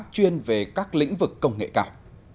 chuyên về các lĩnh vực công nghệ cao